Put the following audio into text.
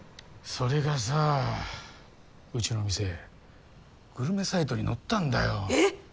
それがさうちの店グルメサイトに載ったんだよえっ！